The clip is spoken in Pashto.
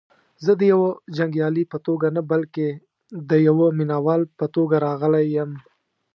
زه دیوه جنګیالي په توګه نه بلکې دیوه مینه وال په توګه راغلی یم.